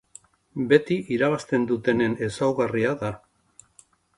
Beti irabazten dutenen ezaugarria da.